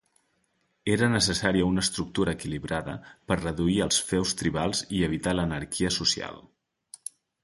Era necessària una estructura equilibrada per reduir els feus tribals i evitar l'anarquia social.